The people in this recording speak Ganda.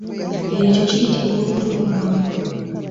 Ekyo kiyitibwa okulya obwami.